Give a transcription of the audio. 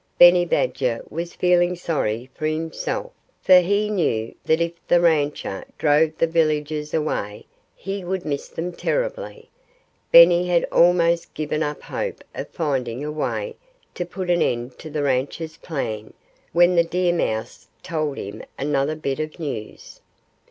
Benny Badger was feeling sorry for himself; for he knew that if the rancher drove the villagers away he would miss them terribly. Benny had almost given up hope of finding a way to put an end to the rancher's plan when the deer mouse told him another bit of news.